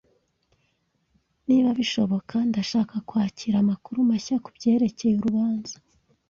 Niba bishoboka, ndashaka kwakira amakuru mashya kubyerekeye urubanza.